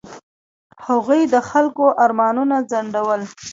هغوی د خلکو ارمانونه ځنډول.